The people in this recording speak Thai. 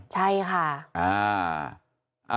ใช่ค่ะ